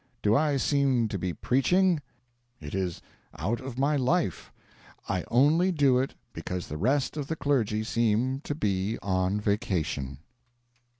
Do I seem to be preaching? It is out of my line: I only do it because the rest of the clergy seem to be on vacation.